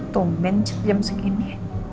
tumen jam segini